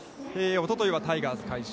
おとといはタイガースが快勝。